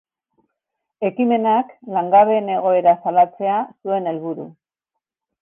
Ekimenak langabeen egoera salatzea zuen helburu.